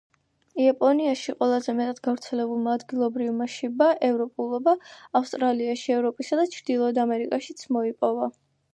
იაპონიაში ყველაზე მეტად გავრცელებულმა ადგილობრივმა შიბა, პოპულარობა ავსტრალიაში, ევროპასა და ჩრდილოეთ ამერიკაშიც მოიპოვა.